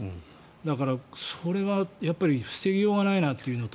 だから、それは防ぎようがないなと思うのと。